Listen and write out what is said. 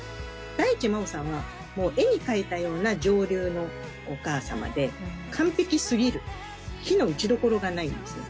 大地真央さんは絵に描いたような上流なお母様で完璧すぎる非の打ちどころがないんですね。